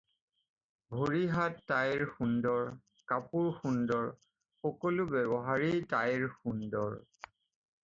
ভৰি হাত তাইৰ সুন্দৰ, কাপোৰ সুন্দৰ, সকলো ব্যৱহাৰেই তাইৰ সুন্দৰ।